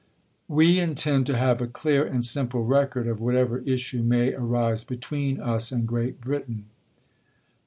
[We intend to have a clear and simple record of whatever issue may arise between us and Great Britain.